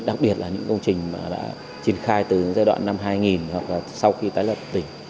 đặc biệt là những công trình mà đã triển khai từ giai đoạn năm hai nghìn hoặc là sau khi tái lập tỉnh